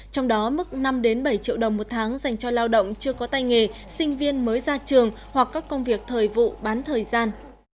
trong đó mức năm bảy triệu đồng một tháng dành cho lao động chưa có tay nghề sinh viên mới ra trường hoặc các công việc thời vụ bán thời gian